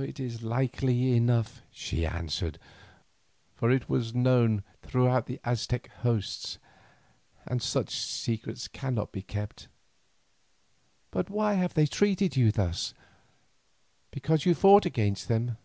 "It is likely enough," she answered, "for it was known throughout the Aztec hosts, and such secrets cannot be kept. But why have they treated you thus? Because you fought against them?"